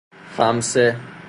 خمسه